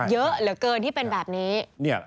เยอะเหลือเกินที่เป็นแบบนี้